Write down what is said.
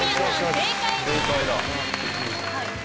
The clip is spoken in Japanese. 正解です。